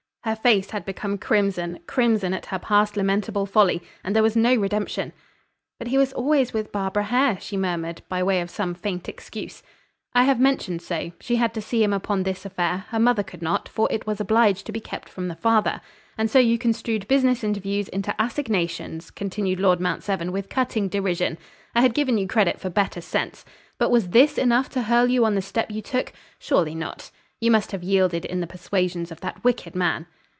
Her face had become crimson crimson at her past lamentable folly. And there was no redemption! "But he was always with Barbara Hare," she murmured, by way of some faint excuse. "I have mentioned so. She had to see him upon this affair, her mother could not, for it was obliged to be kept from the father. And so, you construed business interviews into assignations!" continued Lord Mount Severn with cutting derision. "I had given you credit for better sense. But was this enough to hurl you on the step you took? Surely not. You must have yielded in the persuasions of that wicked man."